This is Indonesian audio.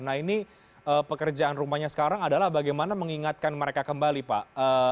nah ini pekerjaan rumahnya sekarang adalah bagaimana mengingatkan mereka kembali pak